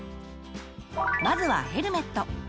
まずはヘルメット。